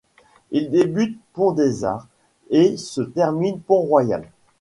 Il débute pont des Arts et se termine pont Royal.